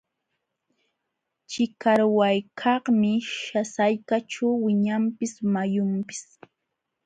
Chikarwaykaqmi sallqaćhu wiñanpis wayunpis.